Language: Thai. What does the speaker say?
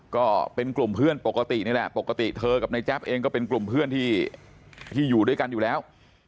ก็เป็นกลุ่มเพื่อนปกตินี่แหละปกติเธอกับนายแจ๊บเองก็เป็นกลุ่มเพื่อนที่อยู่ด้วยกันอยู่แล้ว